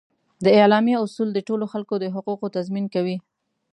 د اعلامیه اصول د ټولو خلکو د حقوقو تضمین کوي.